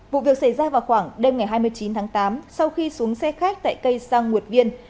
vụ việc xảy ra vào khoảng đêm ngày hai mươi chín tháng tám sau khi xuống xe khách tại cây sang nguyệt viên